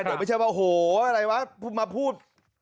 เดี๋ยวไม่ใช่ว่าโหอะไรวะมาพูด